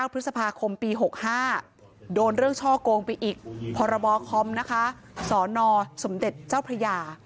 ๒๙พฤศพาคมปี๖๕โดนเรื่องช่อโกงไปอีกพลคสนสมเด็จเจ้าพระยา